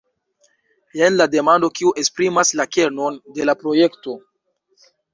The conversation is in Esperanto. Jen la demando kiu esprimas la kernon de la projekto.